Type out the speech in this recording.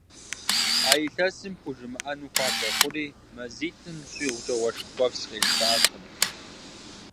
А илъэсым пхужымыӏэну хуабэ хъури, мазитӏым щӏигъукӏэ уэшх ткӏуэпс къешхатэкъым.